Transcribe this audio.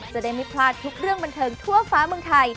จะได้ไม่พลาดทุกเรื่องบันเทิงทั่วฟ้าเมืองไทย